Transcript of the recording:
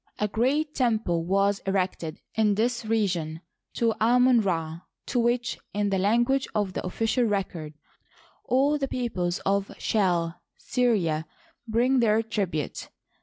A great temple was erected in this region to Amon Ra, to which, in the language of the official record, " all the peoples of Chal (Syria) bring their tribute."